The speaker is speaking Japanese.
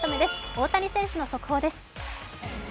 大谷選手の速報です。